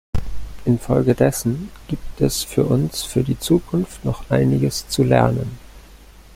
Infolgedessen gibt es für uns für die Zukunft noch einiges zu lernen.